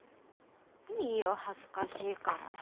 いいよ恥ずかしいから。